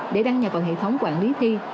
để đăng nhập vào hệ thống quản lý thi